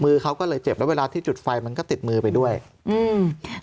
เขาก็เลยเจ็บแล้วเวลาที่จุดไฟมันก็ติดมือไปด้วยอืม